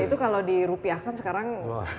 itu kalau dirupiahkan sekarang